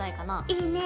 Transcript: いいね。